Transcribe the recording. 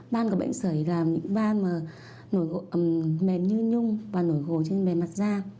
ban của bệnh sởi là những ban mềm như nhung và nổi gồm trên mềm mặt da